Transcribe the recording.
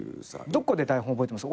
どこで台本覚えてます？